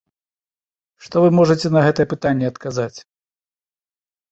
Што вы можаце на гэтае пытанне адказаць?